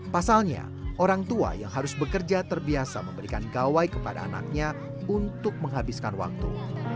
pasalnya orang tua yang harus bekerja terbiasa memberikan gawai kepada anaknya untuk menghabiskan waktu